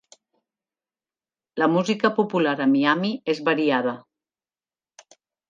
La música popular a Miami és variada.